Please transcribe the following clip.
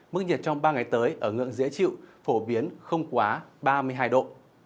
mức nhiệt trong ba ngày tới ở ngưỡng dễ chịu phổ biến không quá ba mươi hai độ